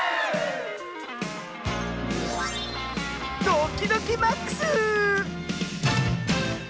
ドキドキマックス！